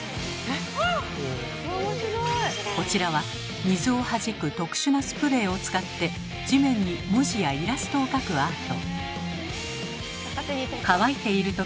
こちらは水をはじく特殊なスプレーを使って地面に文字やイラストを描くアート。